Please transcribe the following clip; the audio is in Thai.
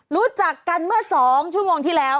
รู้จักกันเมื่อ๒ชั่วโมงที่แล้ว